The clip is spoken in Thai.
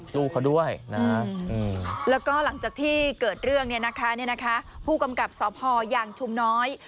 แล้วก็หลังจากที่เกิดเรื่องผู้กำกับสอบฮอย่างชุมน้อย